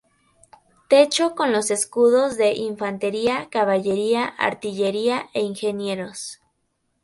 Techo con los escudos de Infantería, Caballería, Artillería e Ingenieros.